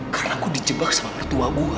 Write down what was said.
karena gue dijebak sama mertua gue